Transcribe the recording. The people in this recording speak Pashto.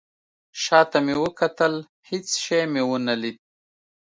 شاته مې وکتل. هیڅ شی مې ونه لید